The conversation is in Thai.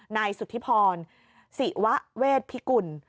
นายสุธิพรศิวะเวทพิกุล